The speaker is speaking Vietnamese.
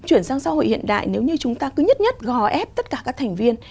chuyển sang xã hội hiện đại nếu như chúng ta cứ nhất nhất gò ép tất cả các thành viên